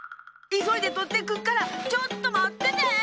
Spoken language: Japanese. いそいでとってくっからちょっとまってて！